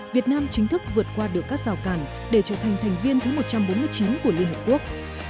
việt nam chính thức vượt qua được các rào cản để trở thành thành viên thứ một trăm bốn mươi chín của liên hợp quốc